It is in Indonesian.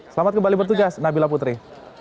selamat kembali bertugas nabila putri